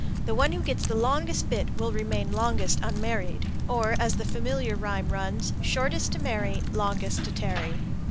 The one who gets the longest bit will remain longest unmarried, or, as the familiar rhyme runs, Shortest to marry, Longest to tarry.